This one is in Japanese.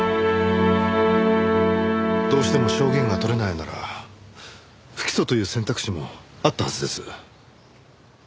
どうしても証言が取れないなら不起訴という選択肢もあったはずです。